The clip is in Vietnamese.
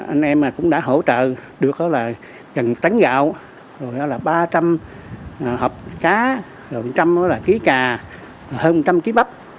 anh em cũng đã hỗ trợ được là trần trắng gạo rồi đó là ba trăm linh hộp cá rồi một trăm linh là ký cà hơn một trăm linh ký bắp